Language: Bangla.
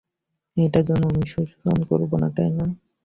এটার জন্য অনুশোচনা করব না, তাই না?